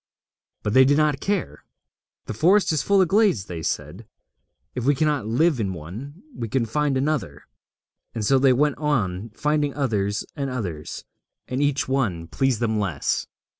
But they did not care. 'The forest is full of glades,' they said; 'if we cannot live in one, we can find another.' And so they went on finding others and others, and each one pleased them less.